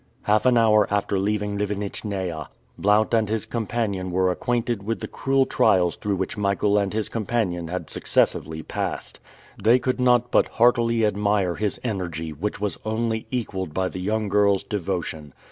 Half an hour after leaving Livenitchnaia, Blount and his companion were acquainted with the cruel trials through which Michael and his companion had successively passed. They could not but heartily admire his energy, which was only equaled by the young girl's devotion.